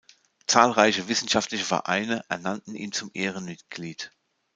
Zahlreiche wissenschaftliche Vereine ernannten ihn zum Ehrenmitglied.